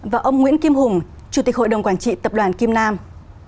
và ông nguyễn kim hùng chủ tịch hội đồng quản trị tập đoàn kim nam